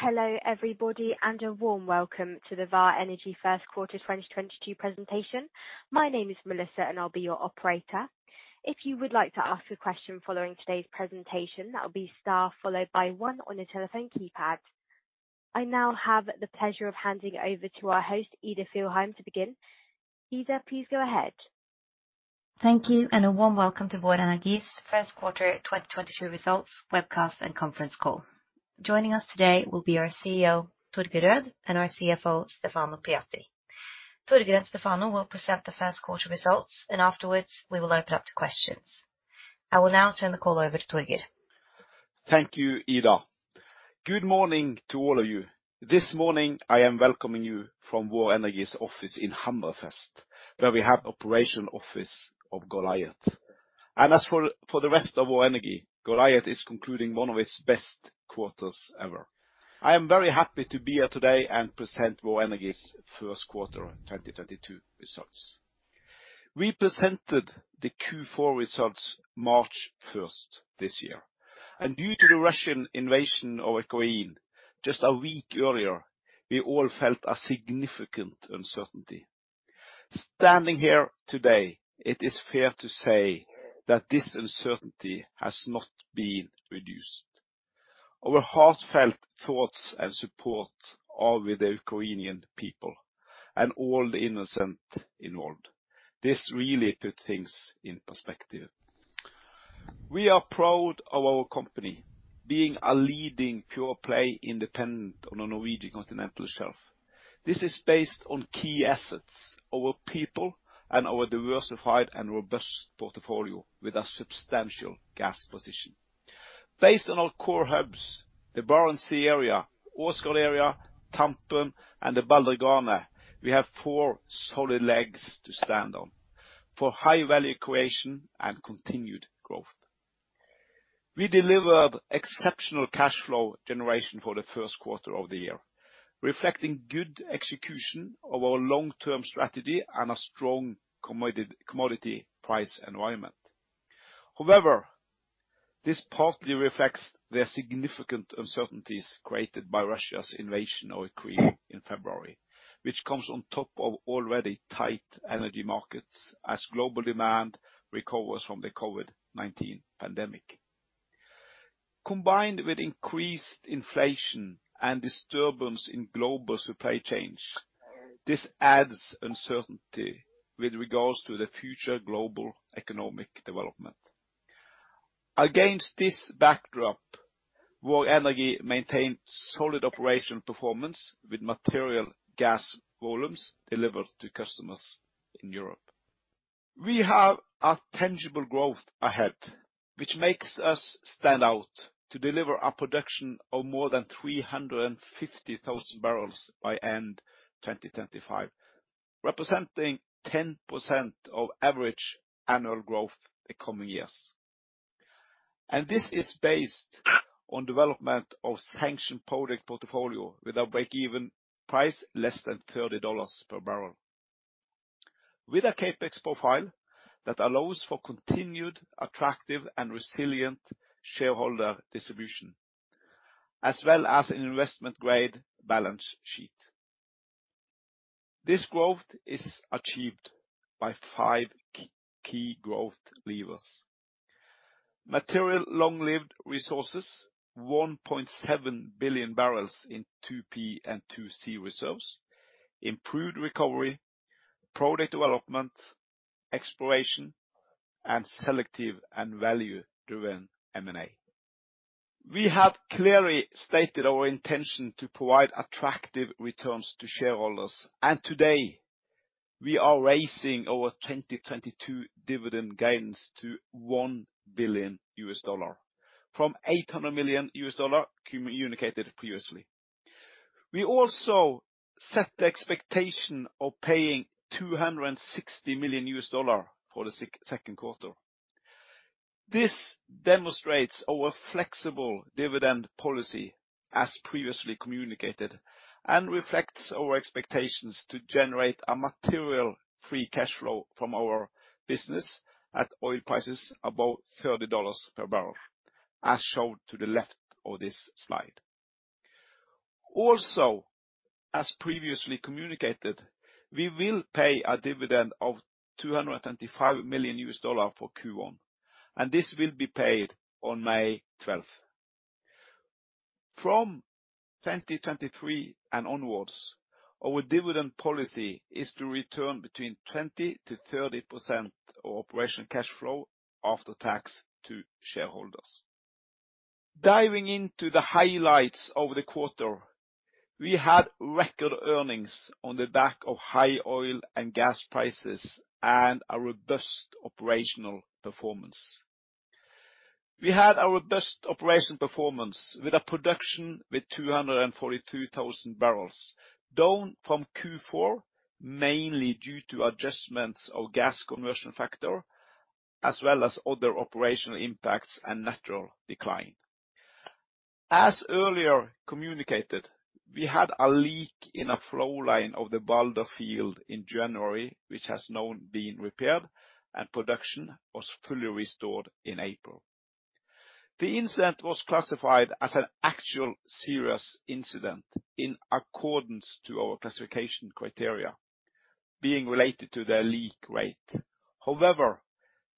Hello, everybody, and a warm welcome to the Vår Energi first quarter 2022 presentation. My name is Melissa, and I'll be your operator. If you would like to ask a question following today's presentation, that will be star followed by one on your telephone keypad. I now have the pleasure of handing over to our host, Ida Fjellheim, to begin. Ida, please go ahead. Thank you, and a warm welcome to Vår Energi's first quarter 2022 results webcast and conference call. Joining us today will be our CEO, Torger Rød, and our CFO, Stefano Pujatti. Torger and Stefano will present the first quarter results, and afterwards, we will open up to questions. I will now turn the call over to Torger. Thank you, Ida. Good morning to all of you. This morning, I am welcoming you from Vår Energi's office in Hammerfest, where we have operation office of Goliat. As for the rest of Vår Energi, Goliat is concluding one of its best quarters ever. I am very happy to be here today and present Vår Energi's first quarter 2022 results. We presented the Q4 results March first this year, and due to the Russian invasion of Ukraine just a week earlier, we all felt a significant uncertainty. Standing here today, it is fair to say that this uncertainty has not been reduced. Our heartfelt thoughts and support are with the Ukrainian people and all the innocent involved. This really put things in perspective. We are proud of our company being a leading pure-play independent on the Norwegian continental shelf. This is based on key assets, our people and our diversified and robust portfolio with a substantial gas position. Based on our core hubs, the Barents Sea area, Åsgard area, Tampen, and the Balder/Grane, we have four solid legs to stand on for high-value creation and continued growth. We delivered exceptional cash flow generation for the first quarter of the year, reflecting good execution of our long-term strategy and a strong commodity price environment. However, this partly reflects the significant uncertainties created by Russia's invasion of Ukraine in February, which comes on top of already tight energy markets as global demand recovers from the COVID-19 pandemic. Combined with increased inflation and disturbance in global supply chains, this adds uncertainty with regards to the future global economic development. Against this backdrop, Vår Energi maintained solid operational performance with material gas volumes delivered to customers in Europe. We have a tangible growth ahead, which makes us stand out to deliver a production of more than 350,000 bbl by end 2025, representing 10% average annual growth the coming years. This is based on development of sanctioned project portfolio with a break-even price less than $30 per bbl. With a CapEx profile that allows for continued attractive and resilient shareholder distribution, as well as an investment-grade balance sheet. This growth is achieved by five key growth levers. Material long-lived resources, 1.7 billion bbl in 2P and 2C reserves, improved recovery, project development, exploration, and selective and value-driven M&A. We have clearly stated our intention to provide attractive returns to shareholders, and today we are raising our 2022 dividend guidance to $1 billion from $800 million communicated previously. We also set the expectation of paying $260 million for the second quarter. This demonstrates our flexible dividend policy as previously communicated and reflects our expectations to generate a material free cash flow from our business at oil prices above $30 per bbl, as shown to the left of this slide. Also, as previously communicated, we will pay a dividend of $235 million for Q1, and this will be paid on May 12. From 2023 and onwards, our dividend policy is to return between 20%-30% of operational cash flow after tax to shareholders. Diving into the highlights of the quarter, we had record earnings on the back of high oil and gas prices and a robust operational performance. We had our best operational performance with production of 242,000 bbl, down from Q4, mainly due to adjustments of gas conversion factor, as well as other operational impacts and natural decline. As earlier communicated, we had a leak in a flow line of the Balder field in January, which has now been repaired and production was fully restored in April. The incident was classified as an actual serious incident in accordance with our classification criteria being related to the leak rate. However,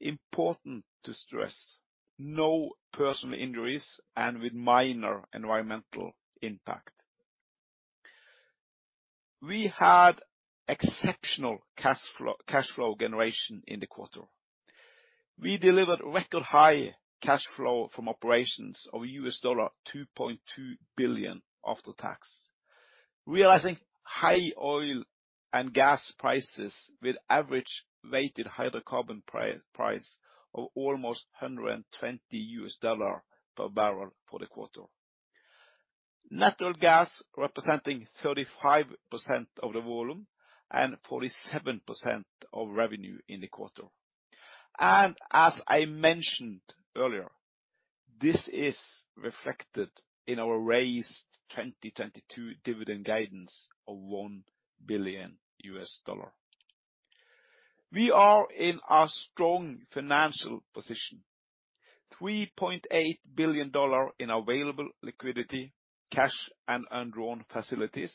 important to stress, no personal injuries and with minor environmental impact. We had exceptional cash flow generation in the quarter. We delivered record high cash flow from operations of $2.2 billion after tax, realizing high oil and gas prices with average weighted hydrocarbon price of almost $120 per bbl for the quarter. Natural gas representing 35% of the volume and 47% of revenue in the quarter. As I mentioned earlier, this is reflected in our raised 2022 dividend guidance of $1 billion. We are in a strong financial position. $3.8 billion in available liquidity, cash and undrawn facilities,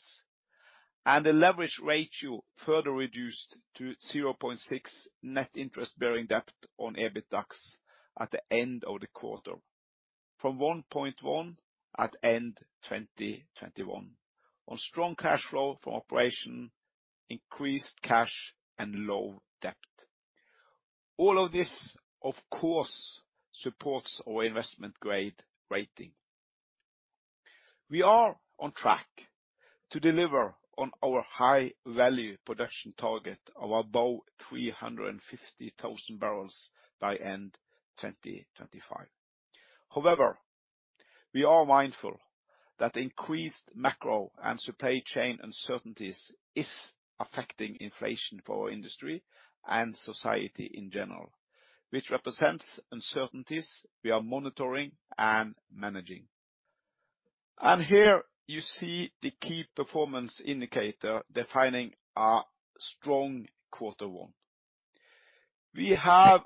and a leverage ratio further reduced to 0.6 net interest-bearing debt on EBITDAX at the end of the quarter, from 1.1 at end 2021. On strong cash flow from operations, increased cash and low debt. All of this, of course, supports our investment-grade rating. We are on track to deliver on our high value production target of above 350,000 bbl by end 2025. However, we are mindful that increased macro and supply chain uncertainties is affecting inflation for our industry and society in general, which represents uncertainties we are monitoring and managing. Here you see the key performance indicator defining our strong quarter one. We have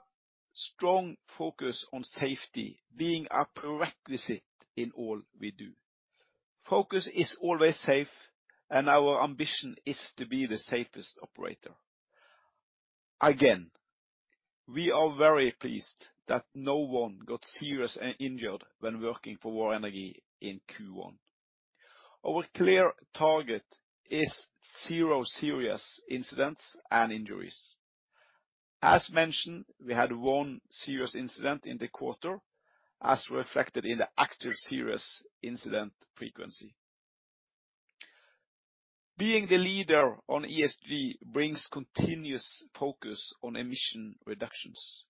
strong focus on safety being a prerequisite in all we do. Focus is always safe, and our ambition is to be the safest operator. Again, we are very pleased that no one got seriously injured when working for Vår Energi in Q one. Our clear target is zero serious incidents and injuries. As mentioned, we had one serious incident in the quarter, as reflected in the actual serious incident frequency. Being the leader on ESG brings continuous focus on emission reductions.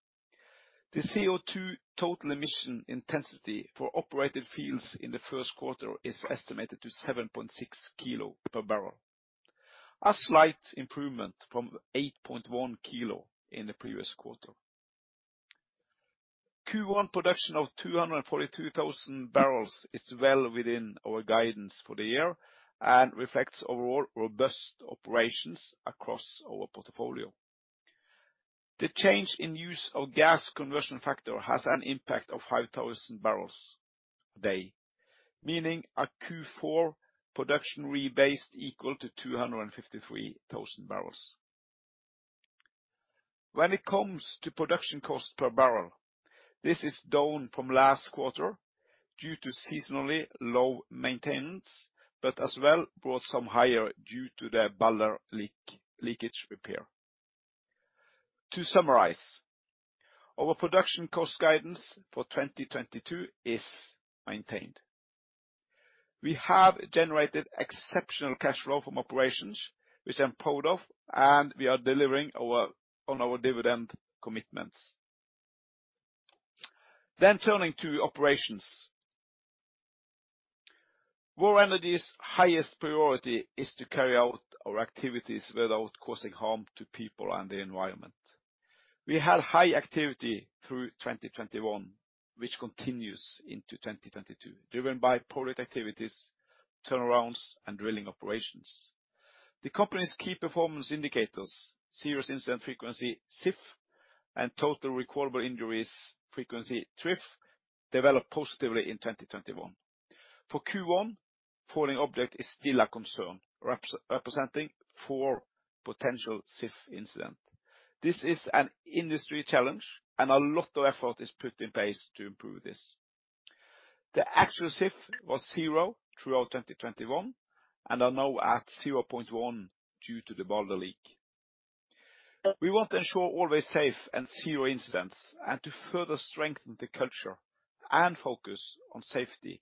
The CO2 total emission intensity for operated fields in the first quarter is estimated to 7.6 kg per bbl. A slight improvement from 8.1 kbo in the previous quarter. Q1 production of 242,000 bbl is well within our guidance for the year and reflects overall robust operations across our portfolio. The change in use of gas conversion factor has an impact of 5,000 bbl a day, meaning a Q4 production rebased equal to 253,000 bbl. When it comes to production cost per bbl, this is down from last quarter due to seasonally low maintenance, but as well brought some higher due to the Balder leakage repair. To summarize, our production cost guidance for 2022 is maintained. We have generated exceptional cash flow from operations, which I'm proud of, and we are delivering on our dividend commitments. Turning to operations. Vår Energi's highest priority is to carry out our activities without causing harm to people and the environment. We had high activity through 2021, which continues into 2022, driven by project activities, turnarounds, and drilling operations. The company's key performance indicators, serious incident frequency, SIF, and total recordable injury frequency, TRIF, developed positively in 2021. For Q1, falling object is still a concern, representing four potential SIF incidents. This is an industry challenge, and a lot of effort is put in place to improve this. The actual SIF was zero throughout 2021 and are now at 0.1 due to the Balder leak. We want to ensure always safe and zero incidents and to further strengthen the culture and focus on safety,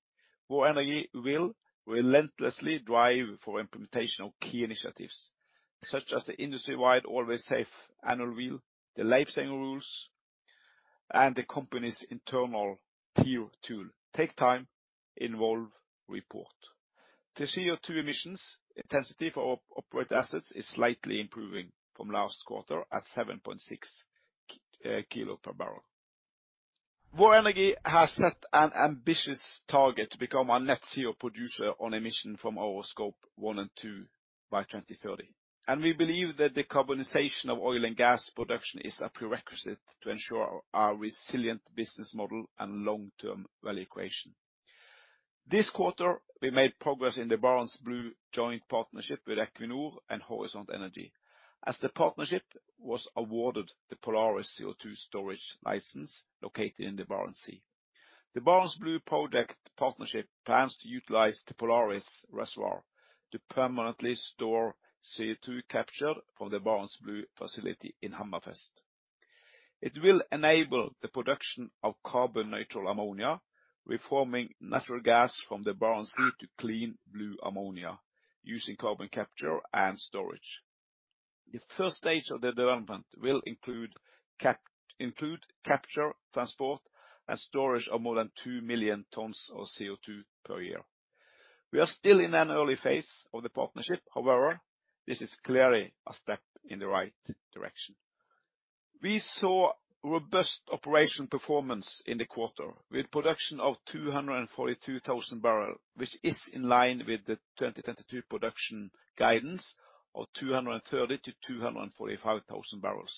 Vår Energi will relentlessly drive for implementation of key initiatives, such as the industry-wide Always Safe annual wheel, the lifesaving rules, and the company's internal TIR tool: take time, involve, report. The CO2 emissions intensity for operator-operated assets is slightly improving from last quarter at 7.6 kg per bbl. Vår Energi has set an ambitious target to become a net zero producer on emissions from our Scope 1 and 2 by 2030. We believe that the decarbonization of oil and gas production is a prerequisite to ensure our resilient business model and long-term value equation. This quarter, we made progress in the Barents Blue joint partnership with Equinor and Horisont Energi. The partnership was awarded the Polaris CO2 storage license located in the Barents Sea. The Barents Blue project partnership plans to utilize the Polaris reservoir to permanently store CO2 capture from the Barents Blue facility in Hammerfest. It will enable the production of carbon-neutral ammonia, reforming natural gas from the Barents Sea to clean blue ammonia using carbon capture and storage. The first stage of the development will include capture, transport and storage of more than 2 million tons of CO2 per year. We are still in an early phase of the partnership. However, this is clearly a step in the right direction. We saw robust operational performance in the quarter, with production of 242,000 bbl, which is in line with the 2022 production guidance of 230,000 bbl-245,000 bbl.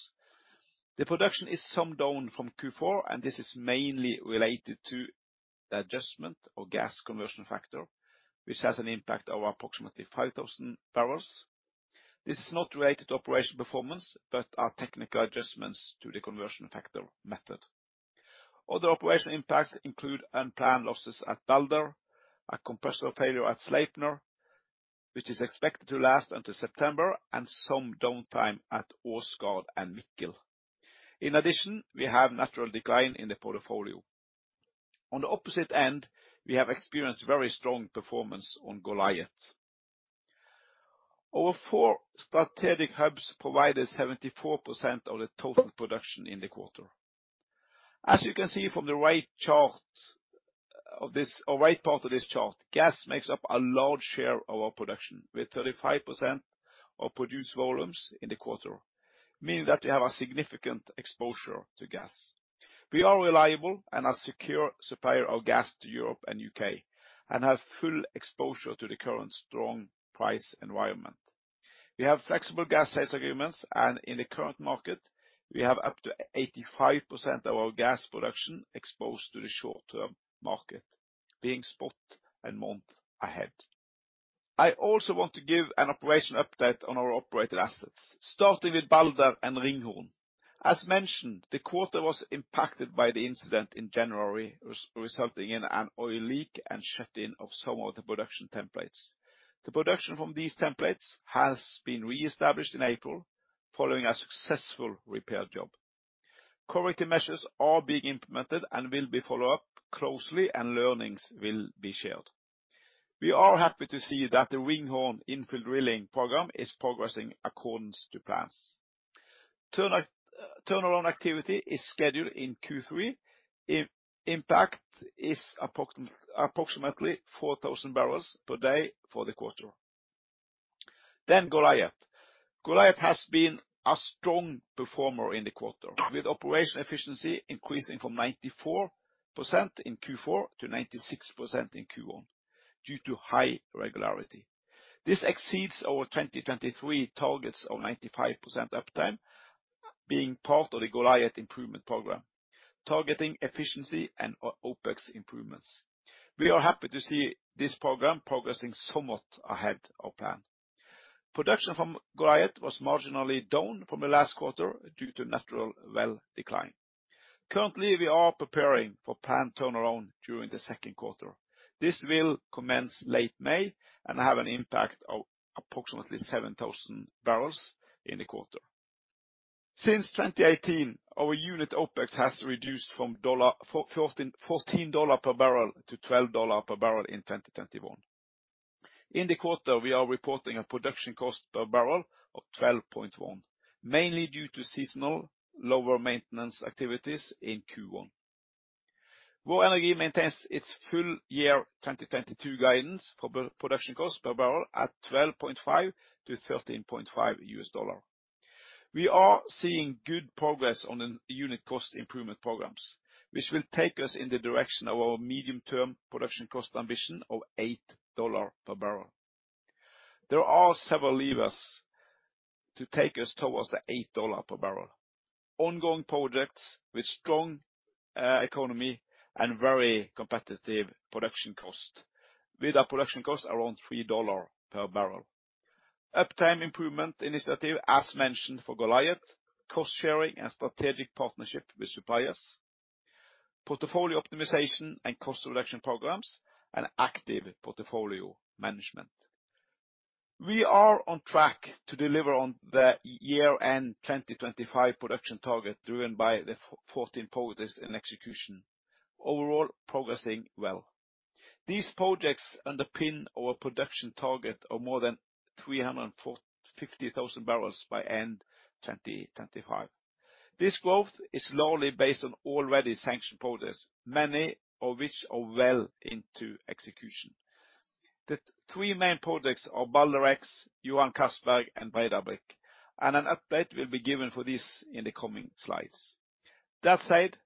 The production is some down from Q4, and this is mainly related to the adjustment of gas conversion factor, which has an impact of approximately 5,000 bbl. This is not related to operation performance, but are technical adjustments to the conversion factor method. Other operation impacts include unplanned losses at Balder, a compressor failure at Sleipner, which is expected to last until September, and some downtime at Åsgard and Mikkel. In addition, we have natural decline in the portfolio. On the opposite end, we have experienced very strong performance on Goliat. Our four strategic hubs provided 74% of the total production in the quarter. As you can see from the right chart of this or right part of this chart, gas makes up a large share of our production, with 35% of produced volumes in the quarter, meaning that we have a significant exposure to gas. We are reliable and a secure supplier of gas to Europe and UK and have full exposure to the current strong price environment. We have flexible gas sales agreements, and in the current market we have up to 85% of our gas production exposed to the short-term market, being spot and month ahead. I also want to give an operational update on our operated assets, starting with Balder and Ringhorne. As mentioned, the quarter was impacted by the incident in January resulting in an oil leak and shut-in of some of the production templates. The production from these templates has been reestablished in April following a successful repair job. Corrective measures are being implemented and will be followed up closely and learnings will be shared. We are happy to see that the Ringhorne infill drilling program is progressing according to plans. Turnaround activity is scheduled in Q3. Impact is approximately 4,000 bbl per day for the quarter. Goliat has been a strong performer in the quarter, with operational efficiency increasing from 94% in Q4 to 96% in Q1 due to high regularity. This exceeds our 2023 targets of 95% uptime being part of the Goliat improvement program, targeting efficiency and OPEX improvements. We are happy to see this program progressing somewhat ahead of plan. Production from Goliat was marginally down from the last quarter due to natural well decline. Currently, we are preparing for plant turnaround during the second quarter. This will commence late May and have an impact of approximately 7,000 bbl in the quarter. Since 2018, our unit OPEX has reduced from $44 to $14 per bbl to $12 per bbl in 2021. In the quarter, we are reporting a production cost per bbl of $12.1, mainly due to seasonal lower maintenance activities in Q1. Vår Energi maintains its full year 2022 guidance for production cost per bbl at $12.5-$13.5. We are seeing good progress on the unit cost improvement programs, which will take us in the direction of our medium-term production cost ambition of $8 per bbl. There are several levers to take us towards the $8 per bbl. Ongoing projects with strong economy and very competitive production cost, with our production cost around $3 per bbl. Uptime improvement initiative, as mentioned for Goliat. Cost-sharing and strategic partnership with suppliers. Portfolio optimization and cost reduction programs and active portfolio management. We are on track to deliver on the year-end 2025 production target, driven by the fourteen projects in execution. Overall progressing well. These projects underpin our production target of more than 350,000 bbl by end 2025. This growth is largely based on already sanctioned projects, many of which are well into execution. The three main projects are Balder X, Johan Castberg, and Breidablikk, and an update will be given for this in the coming slides. That said,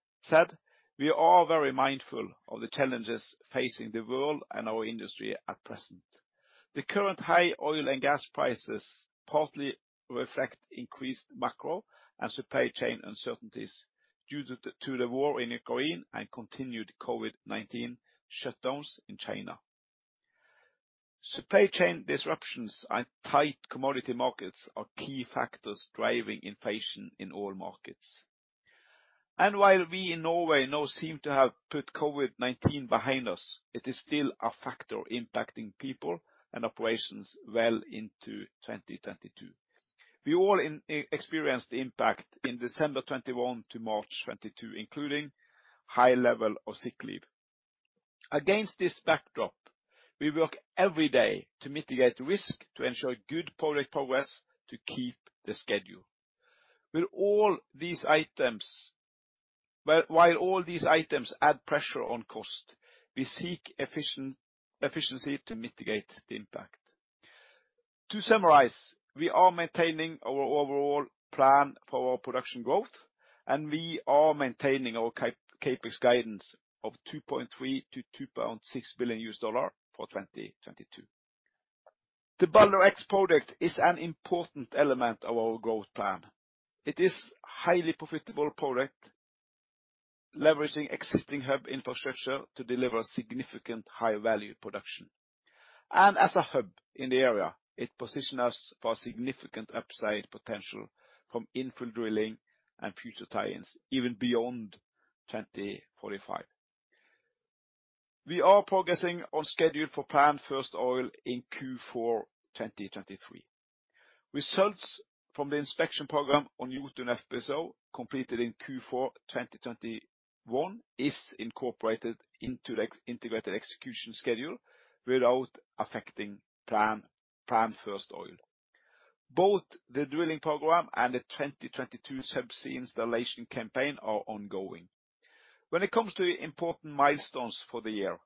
we are very mindful of the challenges facing the world and our industry at present. The current high oil and gas prices partly reflect increased macro and supply chain uncertainties due to the war in Ukraine and continued COVID-19 shutdowns in China. Supply chain disruptions and tight commodity markets are key factors driving inflation in oil markets. While we in Norway now seem to have put COVID-19 behind us, it is still a factor impacting people and operations well into 2022. We all experienced the impact in December 2021 to March 2022, including high level of sick leave. Against this backdrop, we work every day to mitigate risk, to ensure good project progress, to keep the schedule. While all these items add pressure on cost, we seek efficiency to mitigate the impact. To summarize, we are maintaining our overall plan for our production growth, and we are maintaining our CapEx guidance of $2.3 billion-$2.6 billion for 2022. The Balder X project is an important element of our growth plan. It is highly profitable project leveraging existing hub infrastructure to deliver significant high-value production. As a hub in the area, it positions us for significant upside potential from infill drilling and future tie-ins even beyond 2045. We are progressing on schedule for planned first oil in Q4 2023. Results from the inspection program on Jotun FPSO, completed in Q4 2021, is incorporated into the integrated execution schedule without affecting plan, planned first oil. Both the drilling program and the 2022 subsea installation campaign are ongoing. When it comes to important milestones for the year,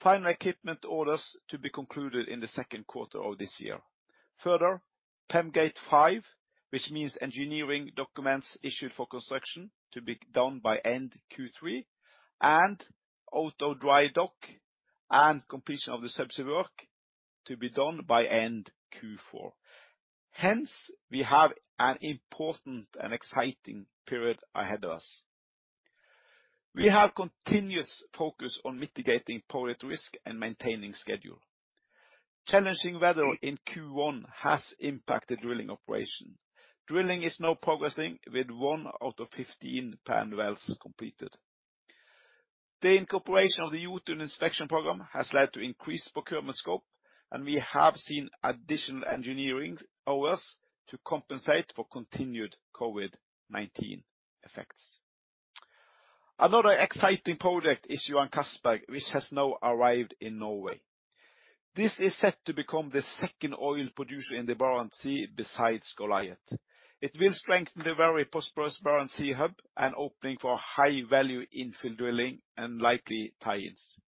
final equipment orders to be concluded in the second quarter of this year. Further, PEM Gate 5, which means engineering documents issued for construction to be done by end Q3, and AHTO dry dock and completion of the subsea work to be done by end Q4. Hence, we have an important and exciting period ahead of us. We have continuous focus on mitigating project risk and maintaining schedule. Challenging weather in Q1 has impacted drilling operation. Drilling is now progressing with one out of 15 planned wells completed. The incorporation of the Jotun inspection program has led to increased procurement scope, and we have seen additional engineering hours to compensate for continued COVID-19 effects. Another exciting project is Johan Castberg, which has now arrived in Norway. This is set to become the second oil producer in the Barents Sea besides Goliat. It will strengthen the very prosperous Barents Sea hub and opening for high-value infill drilling and likely tie-ins.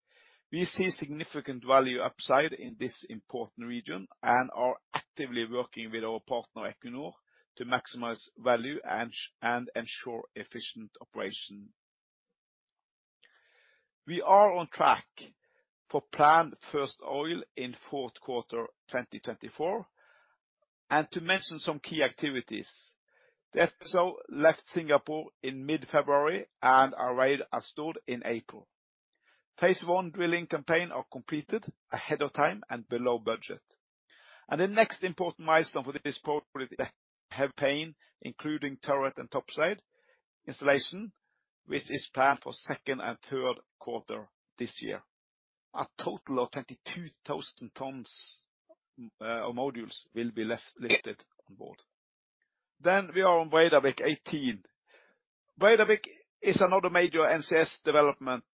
We see significant value upside in this important region and are actively working with our partner, Equinor, to maximize value and ensure efficient operation. We are on track for planned first oil in fourth quarter 2024. To mention some key activities. The FPSO left Singapore in mid-February and arrived at Stord in April. Phase one drilling campaign are completed ahead of time and below budget. The next important milestone for this project including turret and topside installation, which is planned for second and third quarter this year. A total of 22,000 tons of modules will be lifted on board. We are on Breidablikk. Breidablikk is another major NCS development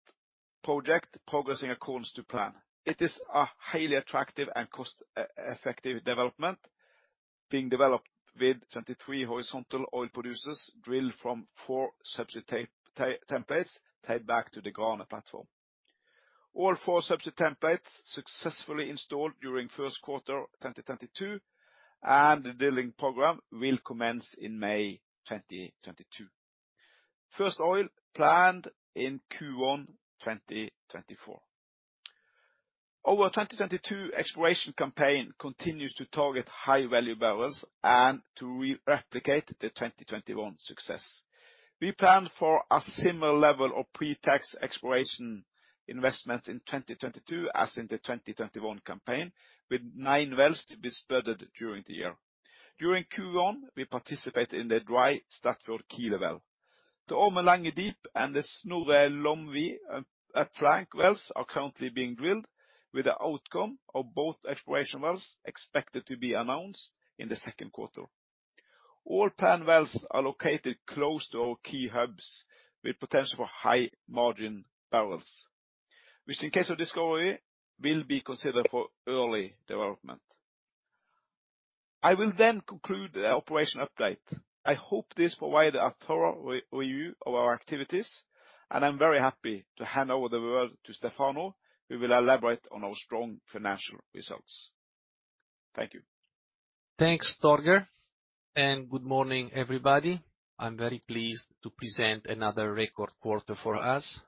project progressing according to plan. It is a highly attractive and cost-effective development being developed with 23 horizontal oil producers drilled from four subsea templates tied back to the Grane platform. All four subsea templates successfully installed during first quarter 2022, and the drilling program will commence in May 2022. First oil planned in Q1 2024. Our 2022 exploration campaign continues to target high-value bbl and to replicate the 2021 success. We plan for a similar level of pre-tax exploration investments in 2022 as in the 2021 campaign, with nine wells to be spudded during the year. During Q1, we participate in the dry Statfjord Kile well. The Ormen Lange Deep and the Snorre Lomvi flank wells are currently being drilled, with the outcome of both exploration wells expected to be announced in the second quarter. All planned wells are located close to our key hubs, with potential for high margin bbl, which in case of discovery, will be considered for early development. I will then conclude the operation update. I hope this provided a thorough review of our activities, and I'm very happy to hand over the word to Stefano, who will elaborate on our strong financial results. Thank you. Thanks, Torger, and good morning, everybody. I'm very pleased to present another record quarter for us,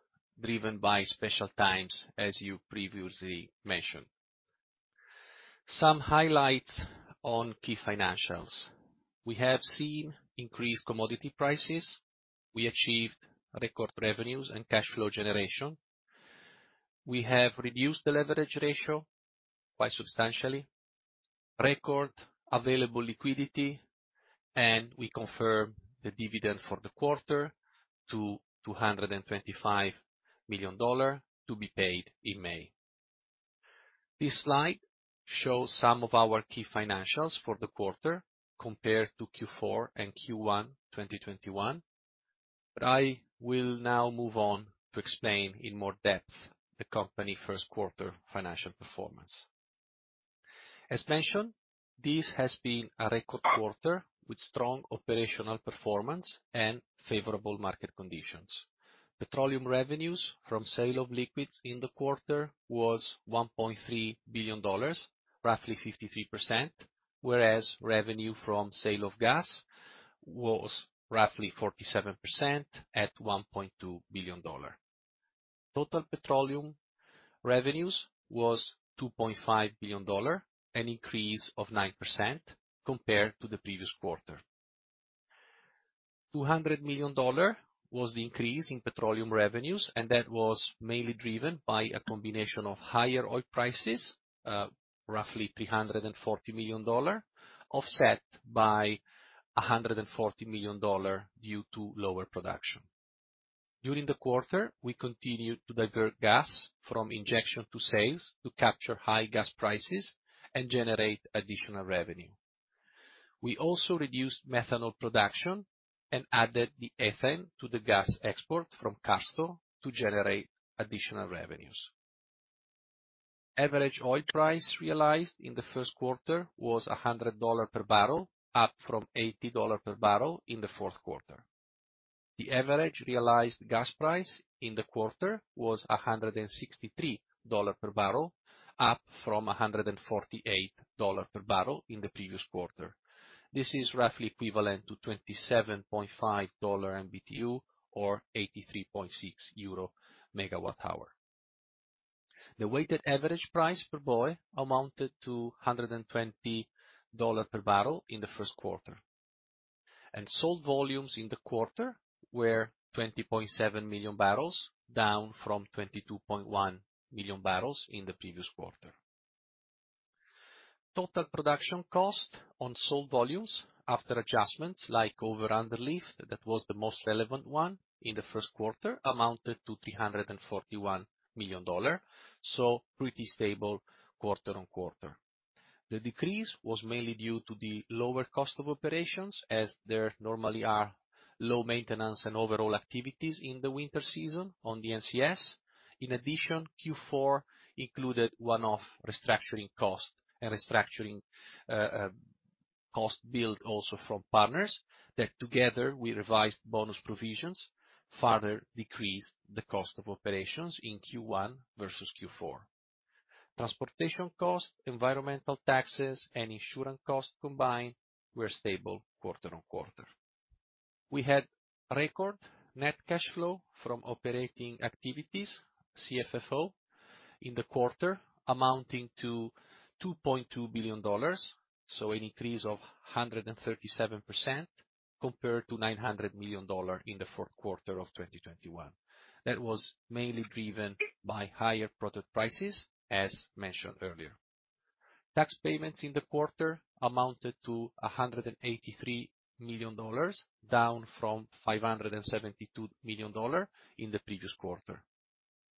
driven by special times, as you previously mentioned. Some highlights on key financials. We have seen increased commodity prices. We achieved record revenues and cash flow generation. We have reduced the leverage ratio quite substantially. Record available liquidity, and we confirm the dividend for the quarter to $225 million to be paid in May. This slide shows some of our key financials for the quarter compared to Q4 and Q1, 2021. I will now move on to explain in more depth the company first quarter financial performance. As mentioned, this has been a record quarter with strong operational performance and favorable market conditions. Petroleum revenues from sale of liquids in the quarter was $1.3 billion, roughly 53%, whereas revenue from sale of gas was roughly 47% at $1.2 billion. Total petroleum revenues was $2.5 billion, an increase of 9% compared to the previous quarter. $200 million was the increase in petroleum revenues, and that was mainly driven by a combination of higher oil prices, roughly $340 million, offset by $140 million due to lower production. During the quarter, we continued to divert gas from injection to sales to capture high gas prices and generate additional revenue. We also reduced methanol production and added the ethane to the gas export from Kårstø to generate additional revenues. Average oil price realized in the first quarter was $100 per bbl, up from $80 per bbl in the fourth quarter. The average realized gas price in the quarter was $163 per bbl, up from $148 per bbl in the previous quarter. This is roughly equivalent to $27.5/MMBtu or 83.6 EUR/MWh. The weighted average price per BOE amounted to $120 per bbl in the first quarter. Sold volumes in the quarter were 20.7 million bbl, down from 22.1 million bbl in the previous quarter. Total production cost on sold volumes after adjustments like over under lift, that was the most relevant one in the first quarter, amounted to $341 million, so pretty stable quarter-over-quarter. The decrease was mainly due to the lower cost of operations, as there normally are low maintenance and overall activities in the winter season on the NCS. In addition, Q4 included one-off restructuring costs and restructuring, cost build also from partners that together with revised bonus provisions, further decreased the cost of operations in Q1 versus Q4. Transportation costs, environmental taxes, and insurance costs combined were stable quarter-on-quarter. We had record net cash flow from operating activities, CFFO, in the quarter amounting to $2.2 billion, so an increase of 137% compared to $900 million in the fourth quarter of 2021. That was mainly driven by higher product prices, as mentioned earlier. Tax payments in the quarter amounted to $183 million, down from $572 million in the previous quarter.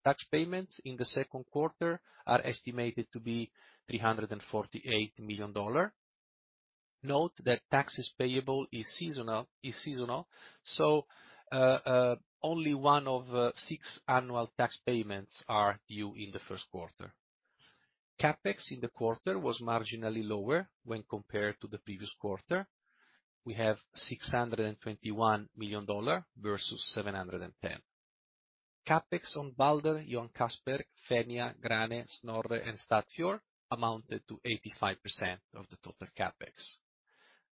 Tax payments in the second quarter are estimated to be $348 million. Note that taxes payable is seasonal. Only one of six annual tax payments are due in the first quarter. CapEx in the quarter was marginally lower when compared to the previous quarter. We have $621 million versus $710 million. CapEx on Balder, Johan Castberg, Fenja, Grane, Snorre, and Statfjord amounted to 85% of the total CapEx.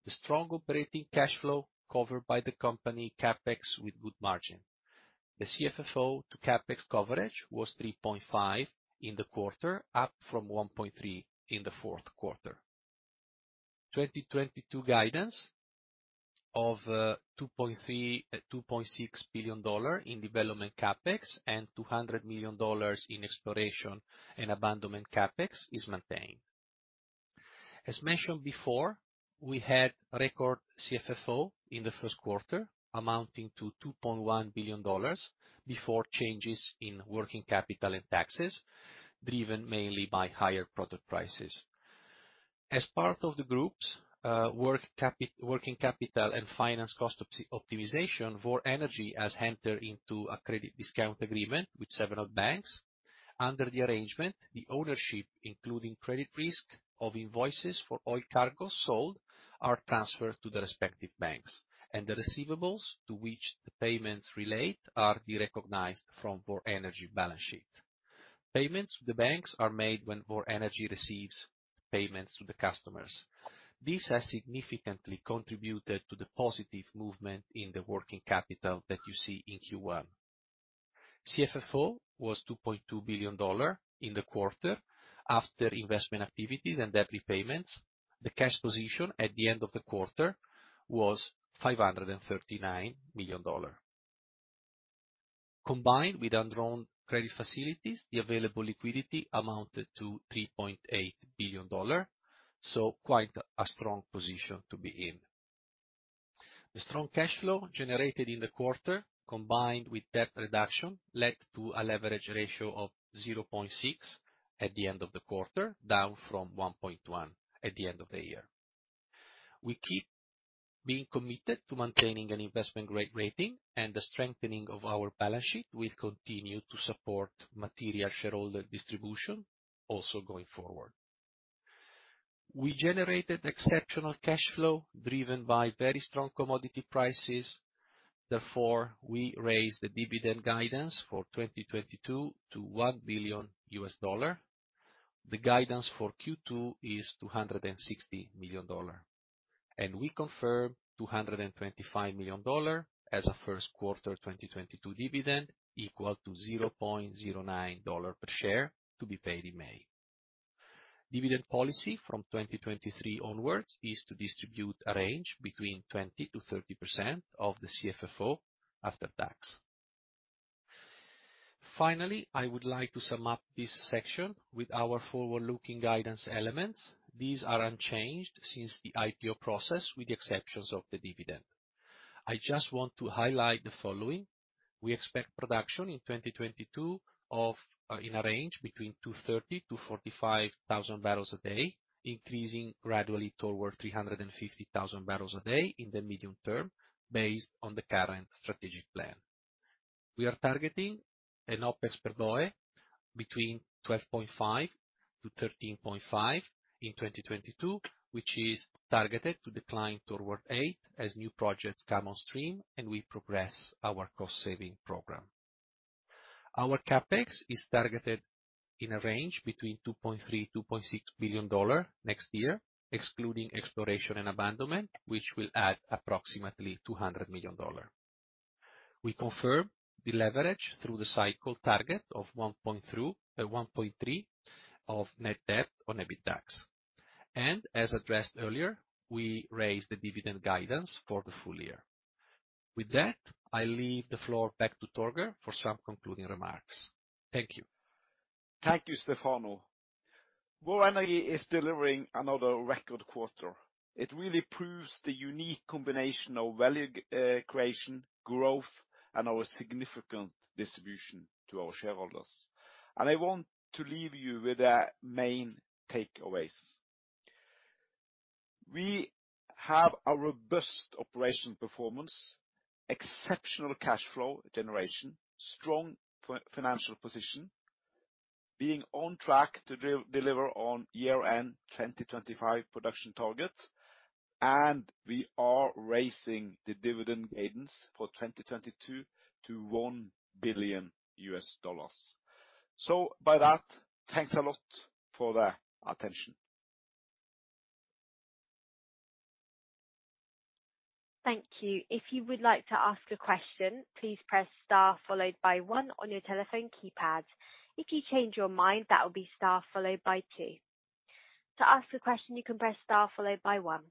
The strong operating cash flow covered the company's CapEx with good margin. The CFFO to CapEx coverage was 3.5 in the quarter, up from 1.3 in the fourth quarter. 2022 guidance of $2.3 billion-$2.6 billion in development CapEx and $200 million in exploration and abandonment CapEx is maintained. As mentioned before, we had record CFFO in the first quarter amounting to $2.1 billion before changes in working capital and taxes, driven mainly by higher product prices. As part of the group's working capital and finance cost optimization, Vår Energi has entered into a credit discount agreement with seven-odd banks. Under the arrangement, the ownership, including credit risk of invoices for oil cargo sold, are transferred to the respective banks, and the receivables to which the payments relate are derecognized from Vår Energi balance sheet. Payments to the banks are made when Vår Energi receives payments from the customers. This has significantly contributed to the positive movement in the working capital that you see in Q1. CFFO was $2.2 billion in the quarter after investment activities and debt repayments. The cash position at the end of the quarter was $539 million. Combined with undrawn credit facilities, the available liquidity amounted to $3.8 billion, so quite a strong position to be in. The strong cash flow generated in the quarter, combined with debt reduction, led to a leverage ratio of 0.6 at the end of the quarter, down from 1.1 at the end of the year. We keep being committed to maintaining an investment-grade rating, and the strengthening of our balance sheet will continue to support material shareholder distribution also going forward. We generated exceptional cash flow driven by very strong commodity prices. Therefore, we raised the dividend guidance for 2022 to $1 billion. The guidance for Q2 is $260 million. We confirm $225 million as of Q1 2022 dividend equal to $0.09 per share to be paid in May. Dividend policy from 2023 onwards is to distribute a range between 20%-30% of the CFFO after tax. Finally, I would like to sum up this section with our forward-looking guidance elements. These are unchanged since the IPO process, with the exceptions of the dividend. I just want to highlight the following. We expect production in 2022 of in a range between 230-45,000 bbl a day, increasing gradually toward 350,000 bbl a day in the medium term based on the current strategic plan. We are targeting an OPEX per BOE between $12.5-$13.5 in 2022, which is targeted to decline toward $8 as new projects come on stream and we progress our cost-saving program. Our CapEx is targeted in a range between $2.3 billion-$2.6 billion next year, excluding exploration and abandonment, which will add approximately $200 million. We confirm the leverage through the cycle target of 1.0 through 1.3 of net debt on EBITDA. As addressed earlier, we raised the dividend guidance for the full year. With that, I leave the floor back to Torger for some concluding remarks. Thank you. Thank you, Stefano. Vår Energi is delivering another record quarter. It really proves the unique combination of value creation, growth, and our significant distribution to our shareholders. I want to leave you with the main takeaways. We have a robust operational performance, exceptional cash flow generation, strong financial position, being on track to deliver on year-end 2025 production targets, and we are raising the dividend guidance for 2022 to $1 billion. With that, thanks a lot for the attention. Thank you. If you would like to ask a question, please press star followed by one on your telephone keypad. If you change your mind, that will be star followed by two. To ask a question, you can press star followed by one.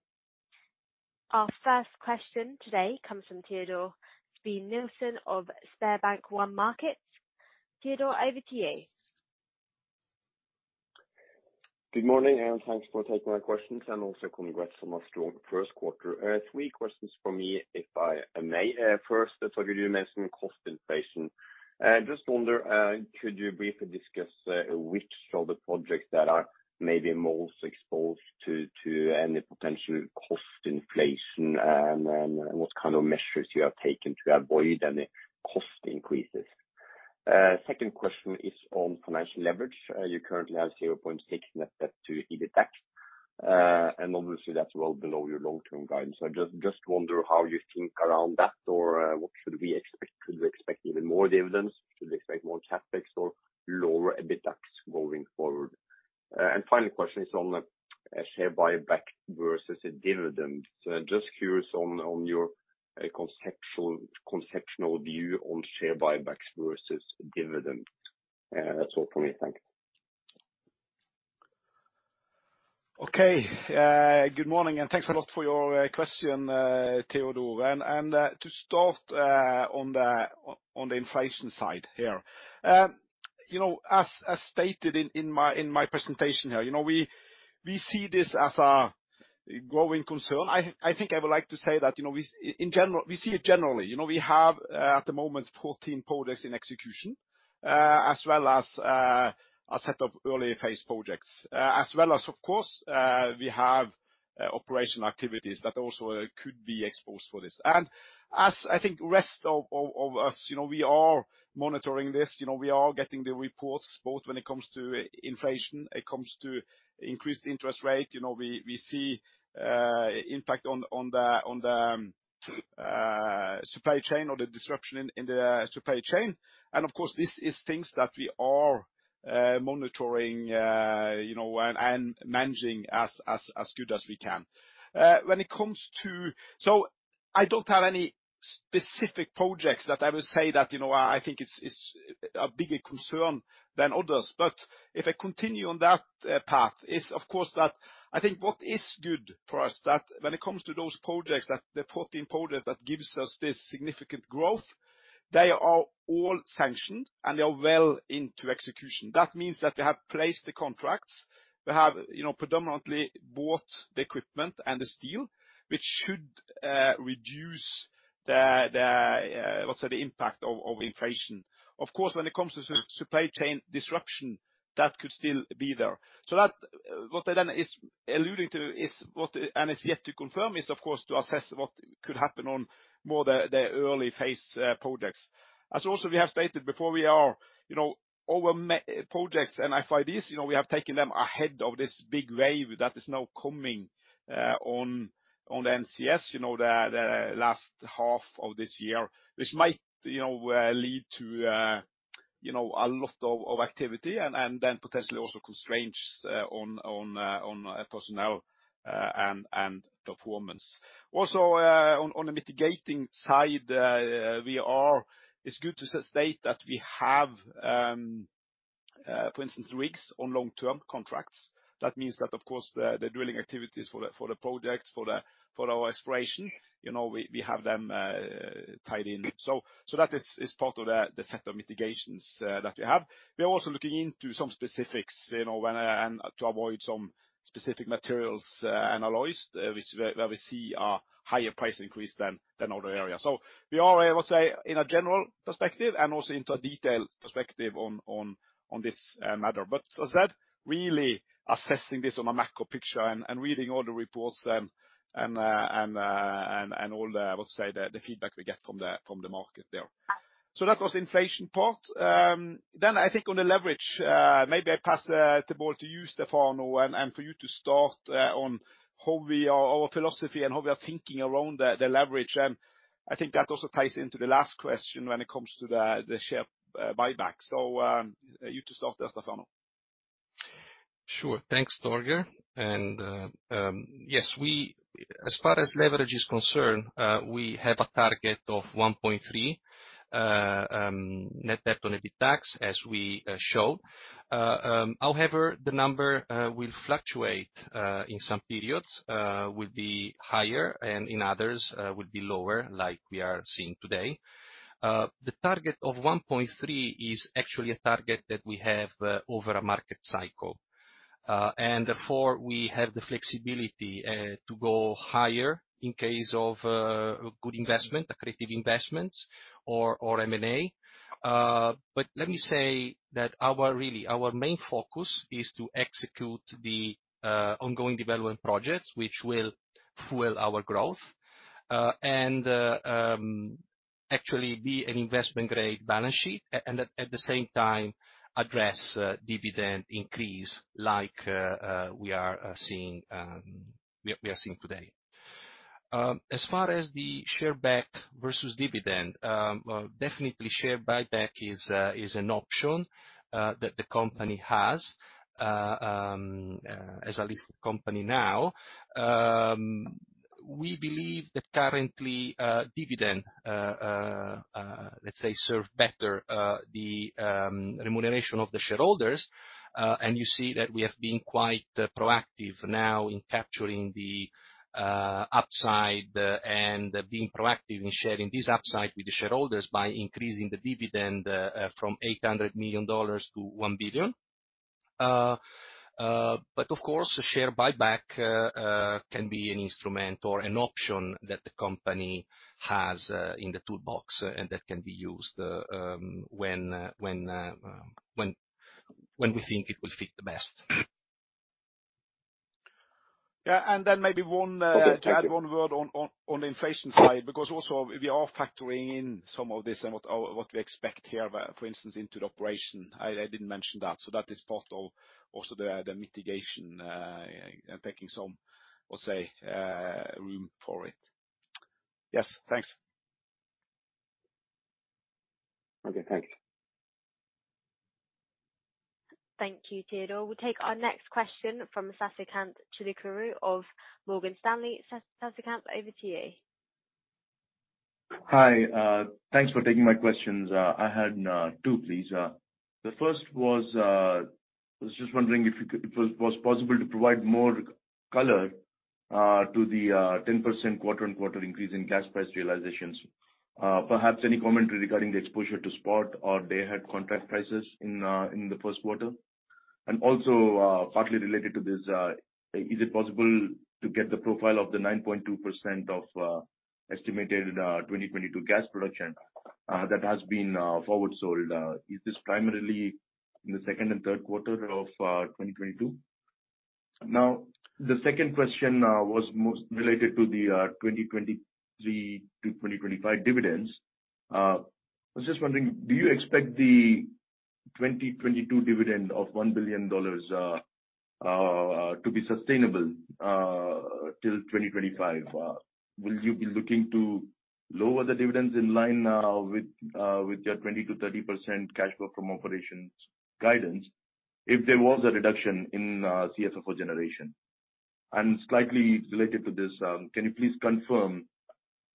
Our first question today comes from Teodor Sveen-Nilsen of SpareBank 1 Markets. Teodor, over to you. Good morning, and thanks for taking my questions, and also congrats on a strong first quarter. Three questions from me, if I may. First, as Torger, you mentioned cost inflation. Just wonder, could you briefly discuss which of the projects that are maybe most exposed to any potential cost inflation, and what kind of measures you have taken to avoid any cost increases? Second question is on financial leverage. You currently have 0.6 net debt to EBITDA, and obviously that's well below your long-term guidance. Just wonder how you think around that or what should we expect. Should we expect even more dividends? Should we expect more CapEx or lower EBITDA going forward? And final question is on the share buyback versus a dividend. Just curious on your conceptual view on share buybacks versus dividends. That's all from me. Thank you. Okay. Good morning, and thanks a lot for your question, Teodor Sveen-Nilsen. To start on the inflation side here. You know, as stated in my presentation here, you know, we see this as a growing concern. I think I would like to say that, you know, in general, we see it generally. You know, we have at the moment 14 projects in execution, as well as a set of early phase projects. As well as of course, we have operational activities that also could be exposed for this. I think rest of us, you know, we are monitoring this, you know, we are getting the reports both when it comes to inflation, it comes to increased interest rate. You know, we see impact on the supply chain or the disruption in the supply chain. Of course, this is things that we are monitoring, you know, and managing as good as we can. I don't have any specific projects that I would say that, you know, I think it's a bigger concern than others. If I continue on that path, of course, that I think what is good for us that when it comes to those projects that the 14 projects that gives us this significant growth, they are all sanctioned and they are well into execution. That means that they have placed the contracts. We have, you know, predominantly bought the equipment and the steel, which should reduce the, let's say, the impact of inflation. Of course, when it comes to supply chain disruption, that could still be there. That what I'm then alluding to is what, and it's yet to confirm, is of course to assess what could happen on more of the early phase projects. As we have also stated before, we have, you know, many projects and FIDs, you know, we have taken them ahead of this big wave that is now coming on the NCS, you know, the last half of this year. Which might, you know, lead to, you know, a lot of activity and then potentially also constraints on personnel and performance. On the mitigating side, it's good to state that we have, for instance, rigs on long-term contracts. That means that of course, the drilling activities for the projects, for our exploration, you know, we have them tied in. So that is part of the set of mitigations that we have. We are also looking into some specifics, you know, what and to avoid some specific materials, alloys, which, where we see a higher price increase than other areas. So we are, let's say, in a general perspective and also into a detailed perspective on this matter. As said, really assessing this on a macro picture and reading all the reports and all the, let's say, the feedback we get from the market there. That was inflation part. Then I think on the leverage, maybe I pass the ball to you, Stefano, and for you to start on our philosophy and how we are thinking around the leverage. I think that also ties into the last question when it comes to the share buyback. You to start there, Stefano. Sure. Thanks, Torger. Yes, we as far as leverage is concerned, we have a target of 1.3 net debt on EBITDA, as we showed. However, the number will fluctuate in some periods, will be higher, and in others, will be lower, like we are seeing today. The target of 1.3 is actually a target that we have over a market cycle. Therefore, we have the flexibility to go higher in case of good investment, accretive investments or M&A. Let me say that really, our main focus is to execute the ongoing development projects, which will fuel our growth and actually be an investment-grade balance sheet, and at the same time address dividend increase like we are seeing today. As far as the share buyback versus dividend, definitely share buyback is an option that the company has as a listed company now. We believe that currently dividend let's say serve better the remuneration of the shareholders. You see that we have been quite proactive now in capturing the upside and being proactive in sharing this upside with the shareholders by increasing the dividend from $800 million-$1 billion. Of course, share buyback can be an instrument or an option that the company has in the toolbox, and that can be used when we think it will fit the best. Yeah. Maybe want to add one word on the inflation side, because also we are factoring in some of this and what we expect here, for instance, into the operation. I didn't mention that. That is part of also the mitigation and taking some, let's say, room for it. Yes. Thanks. Okay. Thank you. Thank you, Teodor. We'll take our next question from Sasikanth Chilukuru of Morgan Stanley. Sasikanth, over to you. Hi. Thanks for taking my questions. I had two, please. The first was, I was just wondering if it was possible to provide more color to the 10% quarter-on-quarter increase in gas price realizations. Perhaps any commentary regarding the exposure to spot or day-ahead contract prices in the first quarter. And also, partly related to this, is it possible to get the profile of the 9.2% of estimated 2022 gas production that has been forward sold? Is this primarily in the second and third quarter of 2022? Now, the second question was most related to the 2023-2025 dividends. I was just wondering, do you expect the 2022 dividend of $1 billion to be sustainable till 2025? Will you be looking to lower the dividends in line with your 20%-30% cash flow from operations guidance if there was a reduction in CFFO generation? Slightly related to this, can you please confirm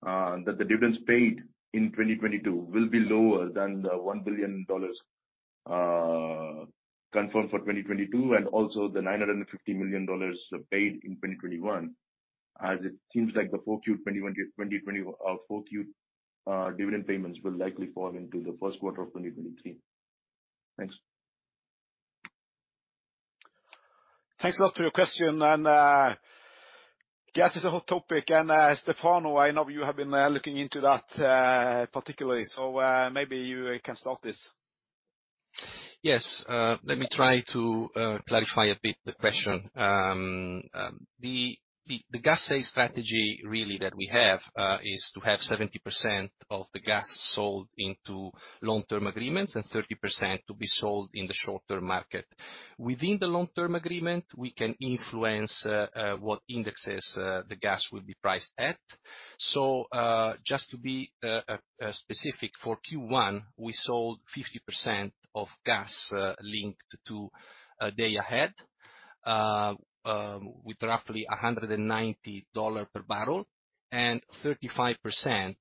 that the dividends paid in 2022 will be lower than the $1 billion confirmed for 2022 and also the $950 million paid in 2021? As it seems like the full Q4 2022 dividend payments will likely fall into the first quarter of 2023. Thanks. Thanks a lot for your question. Gas is a hot topic. Stefano, I know you have been looking into that particularly, so maybe you can start this. Yes. Let me try to clarify a bit the question. The gas sale strategy really that we have is to have 70% of the gas sold into long-term agreements and 30% to be sold in the short-term market. Within the long-term agreement, we can influence what indexes the gas will be priced at. Just to be specific for Q1, we sold 50% of gas linked to a day ahead with roughly $190 per bbl, and 35%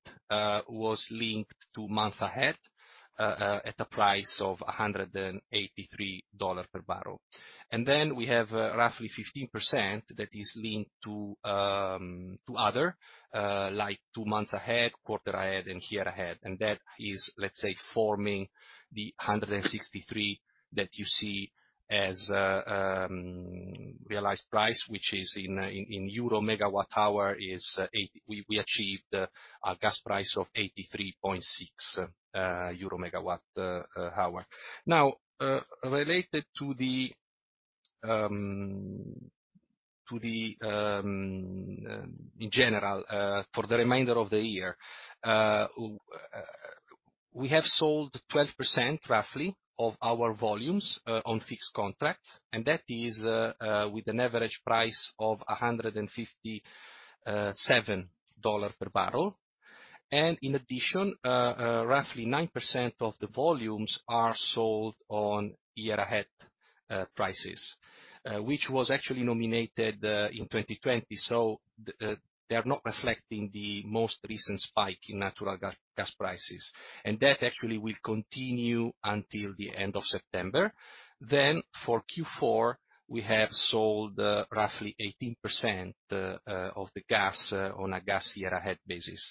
was linked to month ahead at a price of $183 per bbl. Then we have roughly 15% that is linked to other like two months ahead, quarter ahead and year ahead. That is, let's say, forming the 163 that you see as realized price, which is in euro megawatt hour. We achieved a gas price of 83.6 euro megawatt hour. Now, related to the, to the, in general, for the remainder of the year, we have sold roughly 12% of our volumes on fixed contracts, and that is with an average price of $157 per bbl. In addition, roughly 9% of the volumes are sold on year-ahead prices, which was actually nominated in 2020. They are not reflecting the most recent spike in natural gas prices. That actually will continue until the end of September. For Q4, we have sold roughly 18% of the gas on a gas year ahead basis,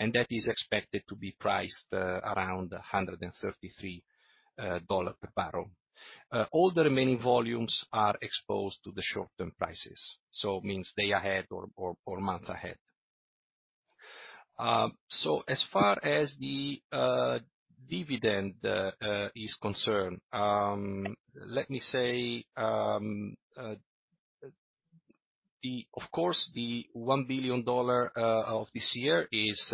and that is expected to be priced around $133 per bbl. All the remaining volumes are exposed to the short-term prices, so that means day ahead or month ahead. As far as the dividend is concerned, let me say. Of course, the $1 billion of this year is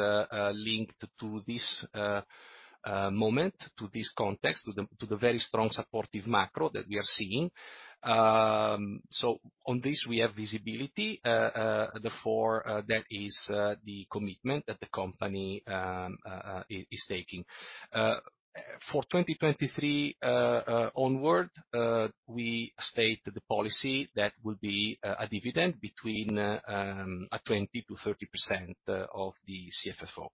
linked to this moment, to this context, to the very strong supportive macro that we are seeing. On this, we have visibility. Therefore, that is the commitment that the company is taking. For 2023 onward, we state the policy that will be a dividend between a 20%-30% of the CFFO.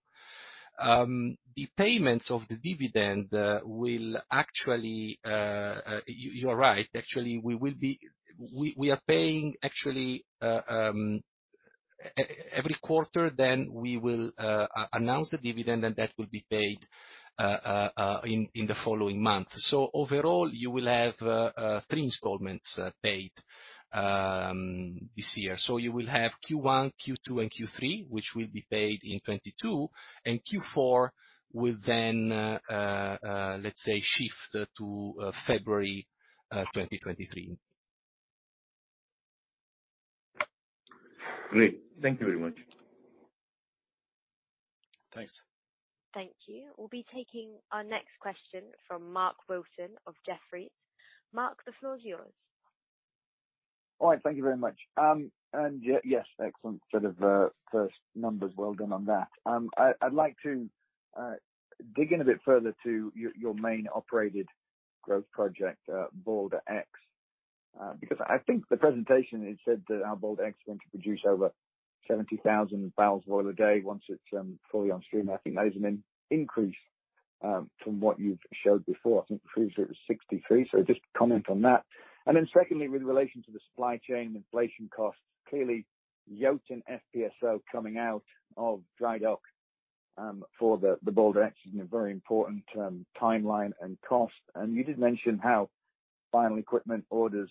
The payments of the dividend will actually you're right. Actually, we are paying actually every quarter then we will announce the dividend, and that will be paid in the following month. Overall, you will have three installments paid this year. You will have Q1, Q2, and Q3, which will be paid in 2022, and Q4 will then let's say, shift to February 2023. Great. Thank you very much. Thanks. Thank you. We'll be taking our next question from Mark Wilson of Jefferies. Mark, the floor is yours. All right. Thank you very much. Yes, excellent sort of first numbers. Well done on that. I'd like to dig in a bit further to your main operated growth project, Balder X. Because I think the presentation, it said that Balder X is going to produce over 70,000 bbl of oil a day once it's fully on stream. I think that is an increase from what you've showed before. I think previously it was 63. Just comment on that. Secondly, with relation to the supply chain inflation costs, clearly Jotun FPSO coming out of dry dock for the Balder X is a very important timeline and cost. You did mention how final equipment orders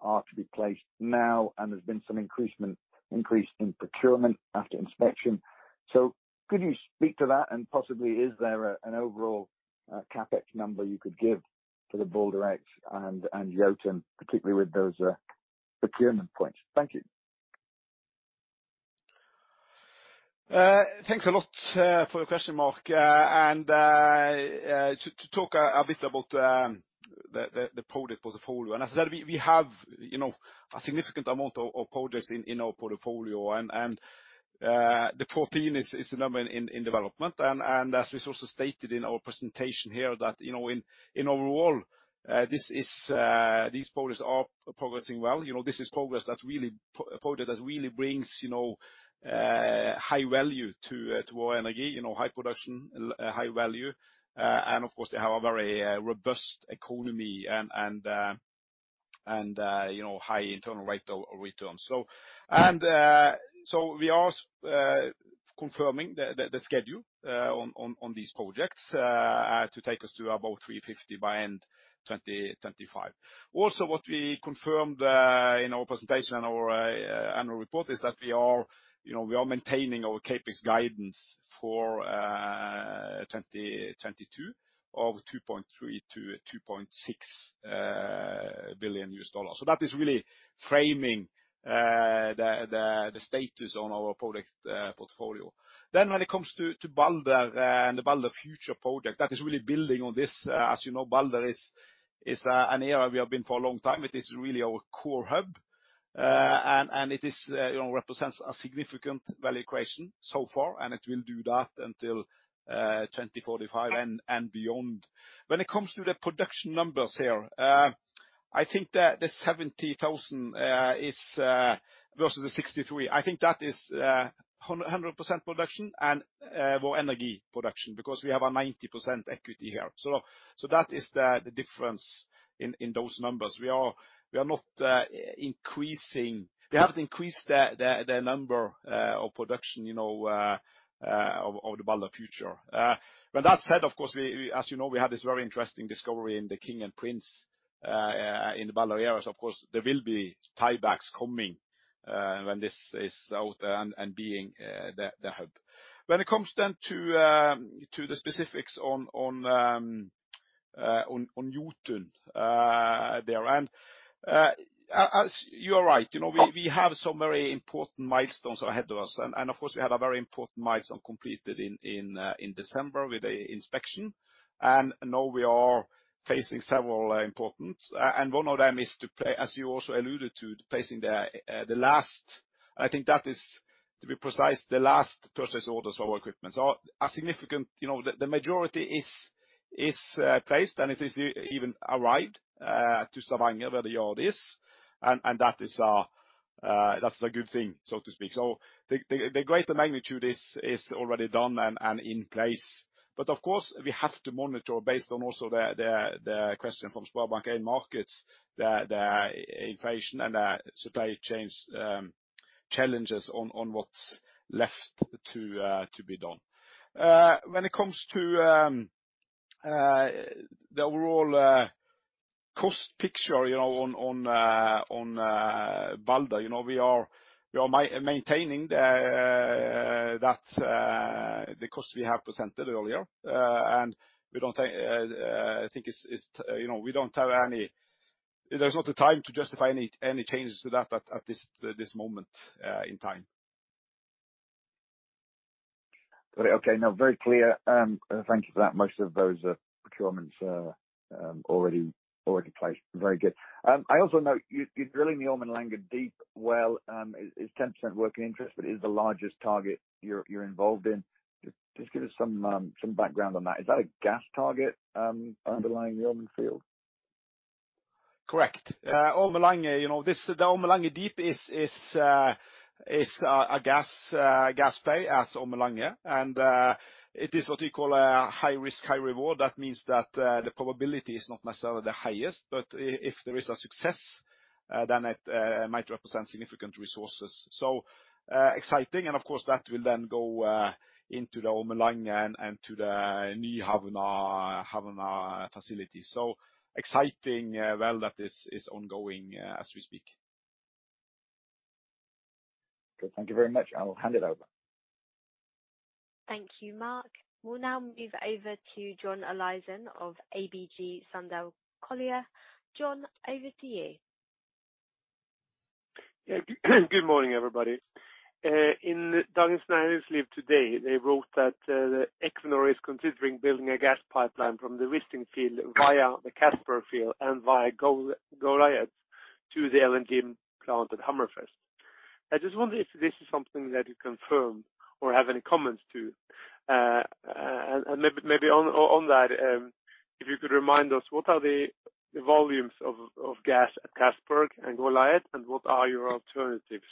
are to be placed now, and there's been some increase in procurement after inspection. Could you speak to that? Possibly is there an overall CapEx number you could give for the Balder X and Jotun, particularly with those procurement points? Thank you. Thanks a lot for your question, Mark. To talk a bit about the project portfolio. As I said, we have you know a significant amount of projects in our portfolio and the 14 is the number in development. As we also stated in our presentation here that you know in overall these projects are progressing well. You know, this is project that really brings you know high value to Vår Energi. You know, high production, high value. And of course, they have a very robust economy and you know high internal rate of returns. We are confirming the schedule on these projects to take us to about 350 by end 2025. What we confirmed in our presentation and our annual report is that we are, you know, maintaining our CapEx guidance for 2022 of $2.3 billion-$2.6 billion. That is really framing the status on our project portfolio. When it comes to Balder and the Balder Future project that is really building on this. As you know, Balder is an area we have been for a long time. It is really our core hub. It is, you know, represents a significant value creation so far, and it will do that until 2045 and beyond. When it comes to the production numbers here, I think the 70,000 is versus the 63, I think that is 100% production and Vår Energi production because we have a 90% equity here. That is the difference in those numbers. We are not increasing. We haven't increased the number of production, you know, of the Balder Future. With that said, of course we, as you know, we have this very interesting discovery in the King and Prince in the Balder area. Of course, there will be tiebacks coming when this is out and being the hub. When it comes then to the specifics on Jotun there. As you are right, you know, we have some very important milestones ahead of us. Of course, we had a very important milestone completed in December with an inspection. Now we are facing several important. One of them is today, as you also alluded to, placing the last, I think that is, to be precise, the last purchase orders for our equipment. A significant, you know, the majority is placed, and it is even arrived to Stavanger where the yard is. That's a good thing, so to speak. The greater magnitude is already done and in place. Of course, we have to monitor based on also the question from SpareBank 1 Markets, the inflation and the supply chains challenges on what's left to be done. When it comes to the overall cost picture, you know, on Balder. You know, we are maintaining the cost we have presented earlier. We don't think. I think it's, you know, we don't have any. There's not the time to justify any changes to that at this moment in time. Okay, no, very clear. Thank you for that. Most of those procurements are already placed. Very good. I also note you're drilling the Ormen Lange Deep well, is 10% working interest, but is the largest target you're involved in. Just give us some background on that. Is that a gas target underlying the Ormen Lange field? Correct. Yeah. Ormen Lange, you know, the Ormen Lange Deep is a gas play as Ormen Lange. It is what you call a high-risk, high-reward. That means that the probability is not necessarily the highest, but if there is a success, then it might represent significant resources. Exciting. Of course, that will then go into the Ormen Lange and to the new Nyhamna facility. Exciting, well that is ongoing as we speak. Good. Thank you very much. I will hand it over. Thank you, Mark. We'll now move over to John Olaisen of ABG Sundal Collier. John, over to you. Yeah. Good morning, everybody. In Dagens Næringsliv today, they wrote that Equinor is considering building a gas pipeline from the Wisting field via the Castberg field and via Goliat to the LNG plant at Hammerfest. I just wonder if this is something that you confirm or have any comments to. Maybe on that, if you could remind us what are the volumes of gas at Castberg and Goliat, and what are your alternatives.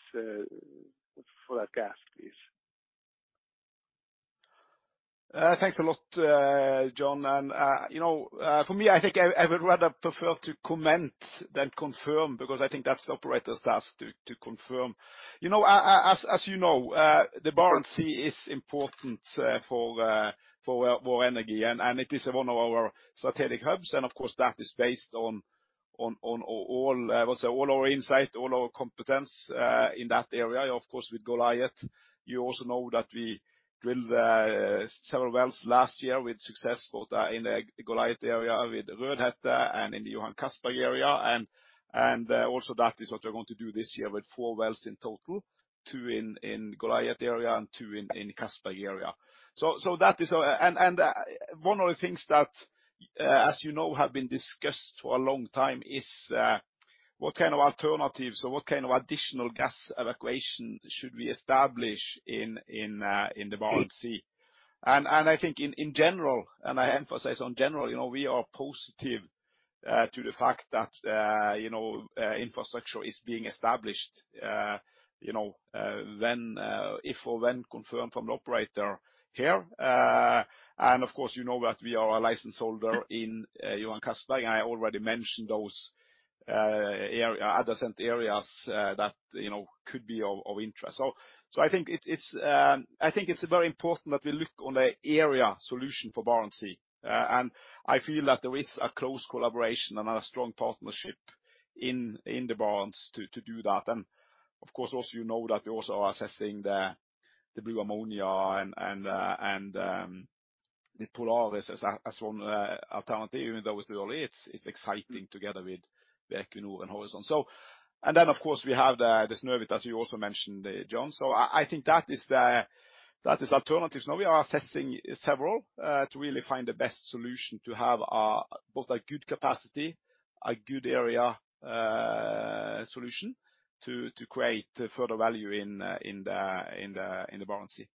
For that gas, please. Thanks a lot, John. You know, for me, I think I would rather prefer to comment than confirm, because I think that's the operator's task to confirm. You know, as you know, the Barents Sea is important for energy and it is one of our strategic hubs, and of course, that is based on all our insight, all our competence in that area. Of course, with Goliat, you also know that we drilled several wells last year with success both in the Goliat area with Rødhette and in the Johan Castberg area, and also that is what we're going to do this year with four wells in total, two in Goliat area and two in Castberg area. That is. One of the things that, as you know, have been discussed for a long time is what kind of alternatives or what kind of additional gas evacuation should we establish in the Barents Sea. I think in general, and I emphasize on general, you know, we are positive to the fact that, you know, infrastructure is being established, you know, when if or when confirmed from the operator here. Of course, you know that we are a license holder in Johan Castberg, and I already mentioned those areas, adjacent areas that you know could be of interest. I think it's very important that we look on the area solution for Barents Sea. I feel that there is a close collaboration and a strong partnership in the Barents to do that. Of course, also you know that we also are assessing the blue ammonia and the Polaris as one alternative, even though it's early, it's exciting together with Equinor and Horisont. Of course, we have this Norvarg as you also mentioned, John. I think that is the alternatives. Now we are assessing several to really find the best solution to have both a good capacity, a good area solution to create further value in the Barents Sea.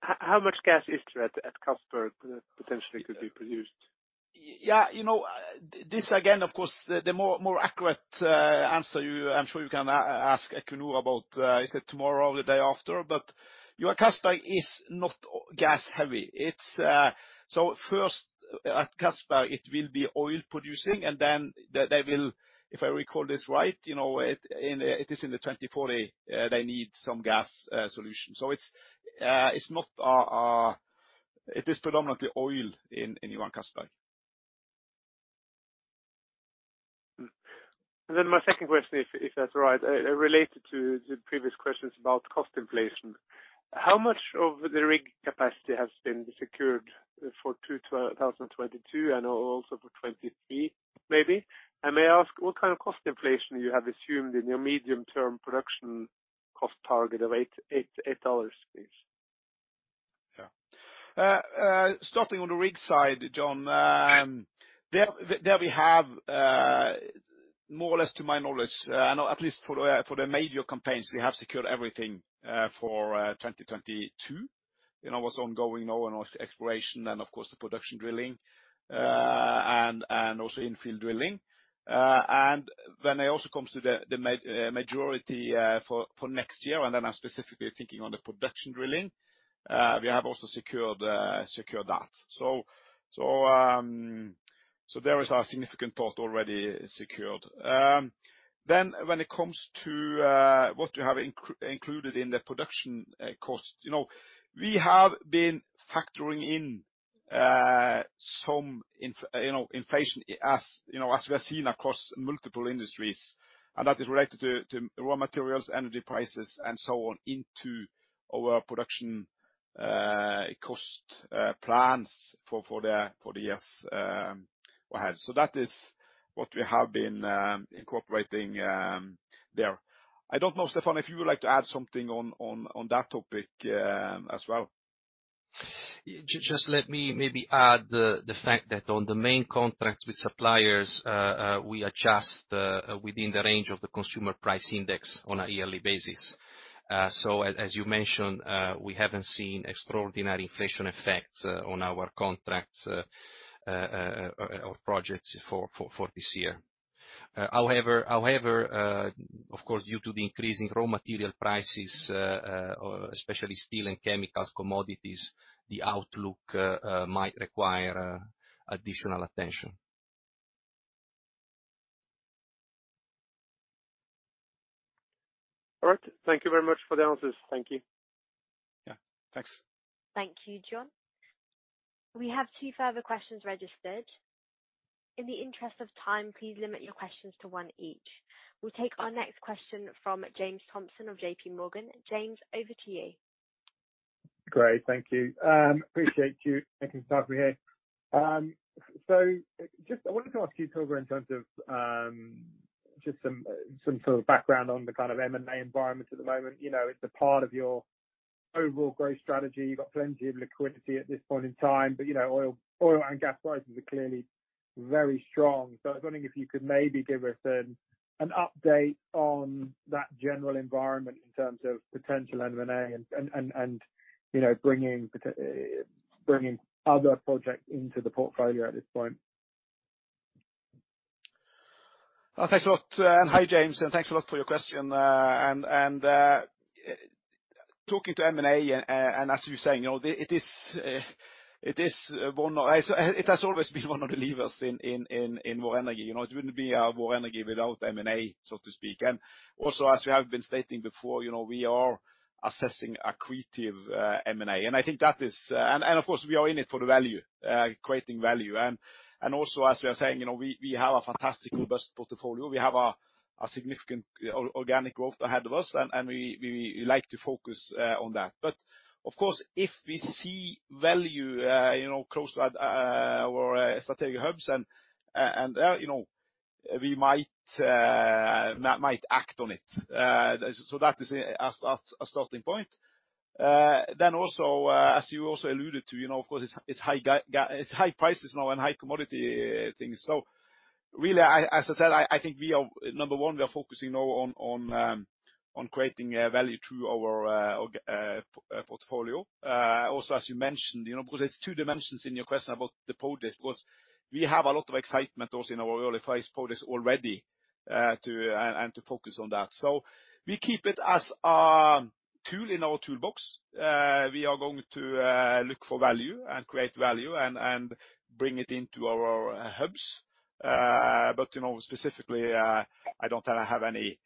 How much gas is there at Castberg that potentially could be produced? Yeah, you know, this again, of course, the more accurate answer you, I'm sure you can ask Equinor about, is it tomorrow or the day after. Johan Castberg is not gas heavy. It's so first at Castberg it will be oil producing and then they will, if I recall this right, you know, it is in the 2040, they need some gas solution. So it's not, it is predominantly oil in Johan Castberg. My second question, if that's all right, related to the previous questions about cost inflation. How much of the rig capacity has been secured for 2022 and also for 2023, maybe? May I ask what kind of cost inflation you have assumed in your medium-term production cost target of $8, please? Yeah. Starting on the rig side, John, there we have, more or less to my knowledge, I know at least for the major campaigns, we have secured everything for 2022. You know what's ongoing now and exploration and of course, the production drilling. And also infill drilling. When it also comes to the majority for next year, and then I'm specifically thinking on the production drilling, we have also secured that. There is a significant part already secured. Then when it comes to what you have included in the production cost. You know, we have been factoring in some inflation as you know as we have seen across multiple industries, and that is related to raw materials, energy prices, and so on into our production cost plans for the years ahead. That is what we have been incorporating there. I don't know, Stefano, if you would like to add something on that topic as well. Just let me maybe add the fact that on the main contracts with suppliers, we adjust within the range of the Consumer Price Index on a yearly basis. As you mentioned, we haven't seen extraordinary inflation effects on our contracts or projects for this year. However, of course, due to the increase in raw material prices, especially steel and chemicals, commodities, the outlook might require additional attention. All right. Thank you very much for the answers. Thank you. Yeah, thanks. Thank you, John. We have two further questions registered. In the interest of time, please limit your questions to one each. We'll take our next question from James Thompson of J.P. Morgan. James, over to you. Great. Thank you. Appreciate you taking the time for me. Just I wanted to ask you, Torger, in terms of just some sort of background on the kind of M&A environment at the moment. You know, it's a part of your overall growth strategy. You've got plenty of liquidity at this point in time, but you know, oil and gas prices are clearly very strong. I was wondering if you could maybe give us an update on that general environment in terms of potential M&A and you know, bringing other projects into the portfolio at this point. Thanks a lot. Hi, James, and thanks a lot for your question. Talking to M&A and as you're saying, you know, it is one. It has always been one of the levers in Vår Energi, you know. It wouldn't be Vår Energi without M&A, so to speak. Also as we have been stating before, you know, we are assessing accretive M&A. I think that is. Of course, we are in it for the value creating value. Also as we are saying, you know, we have a fantastic robust portfolio. We have a significant organic growth ahead of us, and we like to focus on that. Of course, if we see value, you know, close to our strategic hubs and, you know, we might act on it. That is a starting point. Also, as you also alluded to, you know, of course, it's high prices now and high commodity things. Really, as I said, I think we are number one, we are focusing now on creating value through our portfolio. Also as you mentioned, you know, because it's two dimensions in your question about the project. Because we have a lot of excitement also in our early phase projects already, and to focus on that. We keep it as our tool in our toolbox. We are going to look for value and create value and bring it into our hubs. But you know, specifically, I don't have any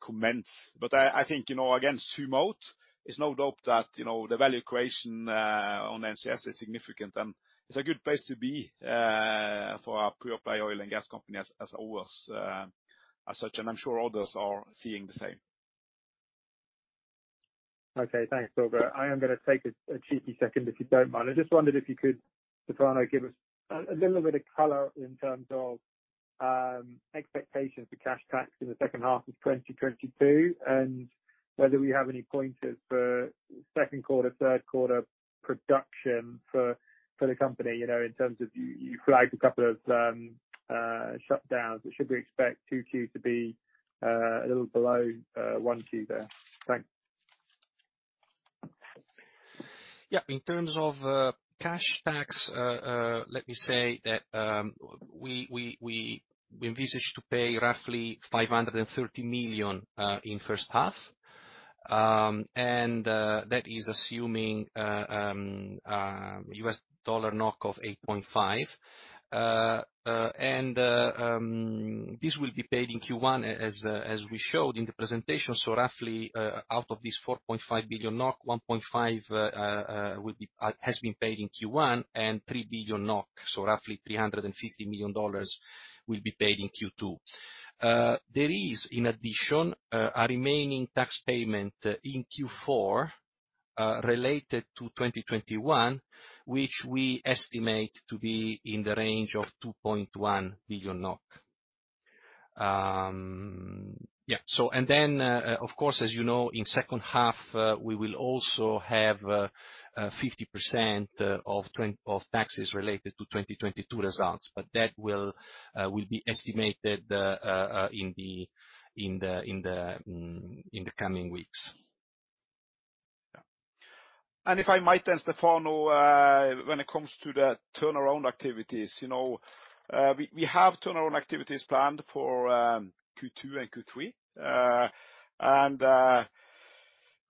comments. But I think, you know, again, zoom out, it's no doubt that, you know, the value creation on NCS is significant, and it's a good place to be for a pure-play oil and gas company as always, as such. I'm sure others are seeing the same. Okay. Thanks, Torger. I am gonna take a cheeky second, if you don't mind. I just wondered if you could, Stefano, give us a little bit of color in terms of expectations for cash tax in the second half of 2022 and whether we have any pointers for second quarter, third quarter production for the company, you know, in terms of you flagged a couple of shutdowns. Should we expect 2Q to be a little below 1Q there? Thanks. Yeah. In terms of cash tax, let me say that we envisaged to pay roughly $530 million in first half. That is assuming USD/NOK of 8.5. This will be paid in Q1 as we showed in the presentation. Roughly, out of this 4.5 billion NOK, 1.5 has been paid in Q1, and 3 billion NOK, so roughly $350 million will be paid in Q2. There is, in addition, a remaining tax payment in Q4 related to 2021, which we estimate to be in the range of 2.1 billion NOK. Yeah. Of course, as you know, in second half, we will also have 50% of taxes related to 2022 results, but that will be estimated in the coming weeks. Yeah. If I might then, Stefano, when it comes to the turnaround activities. You know, we have turnaround activities planned for Q2 and Q3.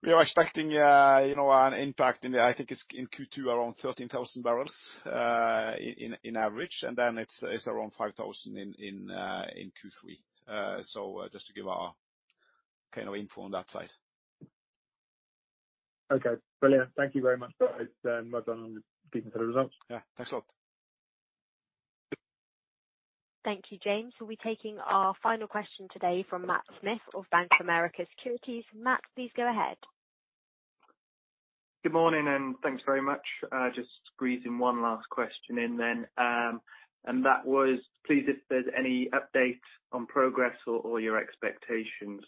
We are expecting, you know, an impact in the, I think it's in Q2, around 13,000 bbl on average, and then it's around 5,000 in Q3. So just to give our kind of info on that side. Okay. Brilliant. Thank you very much, guys. Well done on giving the results. Yeah. Thanks a lot. Thank you, James. We'll be taking our final question today from Matt Smith of Bank of America Securities. Matt, please go ahead. Good morning, and thanks very much. Just squeezing one last question in then. That was, please, if there's any update on progress or your expectations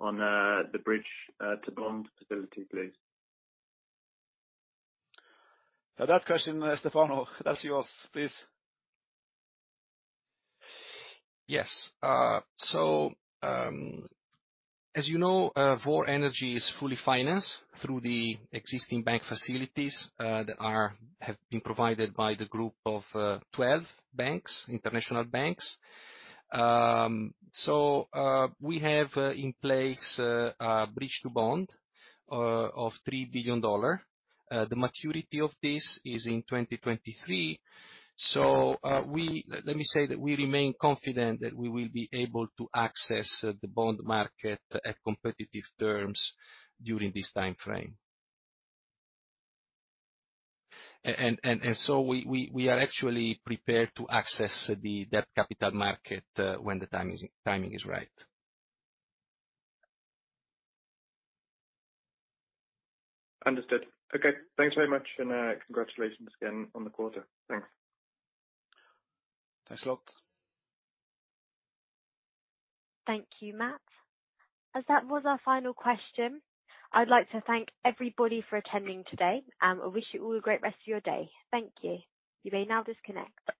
on the bridge-to-bond facility, please. That question, Stefano, that's yours. Please. Yes. As you know, Vår Energi is fully financed through the existing bank facilities that have been provided by the group of 12 banks, international banks. We have in place a bridge to bond of $3 billion. The maturity of this is in 2023. Let me say that we remain confident that we will be able to access the bond market at competitive terms during this timeframe. We are actually prepared to access that capital market when the timing is right. Understood. Okay. Thanks very much, and congratulations again on the quarter. Thanks. Thanks a lot. Thank you, Matt. As that was our final question, I'd like to thank everybody for attending today, and I wish you all a great rest of your day. Thank you. You may now disconnect.